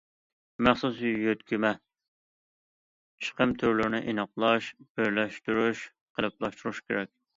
مەخسۇس يۆتكىمە چىقىم تۈرلىرىنى ئېنىقلاش، بىرلەشتۈرۈش، قېلىپلاشتۇرۇش كېرەك.